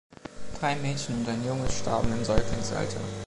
Drei Mädchen und ein Junge starben im Säuglingsalter.